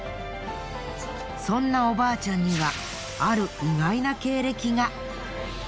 そんなおばあちゃんにはある意外な経歴が。